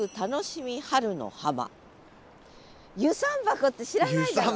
遊山箱って知らないだろ？